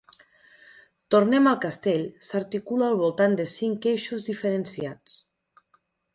Tornem al Castell s’articula al voltant de cinc eixos diferenciats.